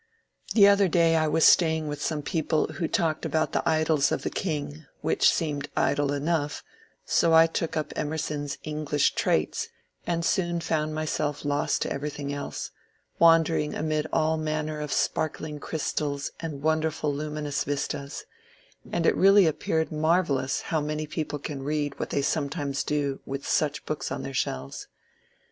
The other day I was staying with some people who talked about the ^^ Idylls of the King," which seemed idle enough; so I took up Emerson's ^English Traits," and soon found myself lost to everything else, — wandering amid all manner of sparkling crystals and wonder ful luminous vistas ; and it really appeared marvellous how many people can read what they sometimes do with such books on their shelves.